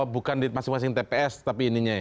bukan di masing masing tps tapi ininya ya